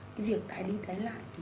cái việc tái đi tái lại